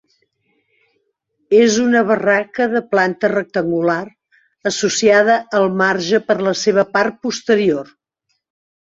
És una barraca de planta rectangular, associada al marge per la seva part posterior.